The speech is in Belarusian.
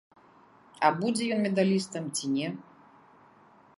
А будзе ён медалістам ці не?